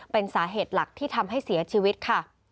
เป็นสาเหตุหลักที่ทำให้เสียชีวิตค่ะ